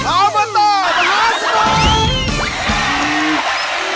ออบตมหาสนุก